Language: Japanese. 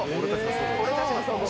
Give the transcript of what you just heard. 俺たちのそごうね。